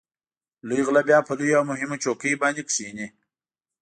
لوی غله بیا په لویو او مهمو چوکیو باندې کېني.